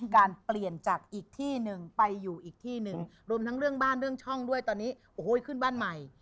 การเปลี่ยนจากอีกที่หนึ่งไปอยู่อีกที่หนึ่งรวมทั้งเรื่องบ้านเรื่องช่องด้วยตอนนี้โอ้โหขึ้นบ้านใหม่